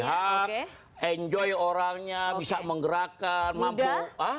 yang bisa diterima pihak enjoy orangnya bisa menggerakkan mampu